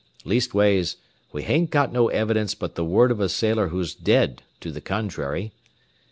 Leastways, we hain't got no evidence but the word of a sailor who's dead, to the contrary.